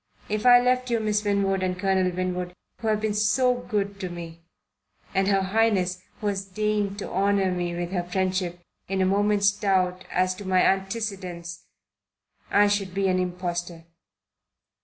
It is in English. If I left you, Miss Winwood, and Colonel Winwood, who have been so good to me and Her Highness, who has deigned to honour me with her friendship in a moment's doubt as to my antecedents I should be an impostor."